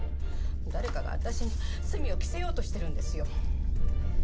誰かが私に罪を着せようとしてるんですよ。